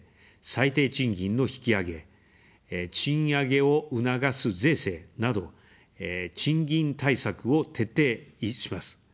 最低賃金の引き上げ、賃上げを促す税制など賃金対策を徹底します。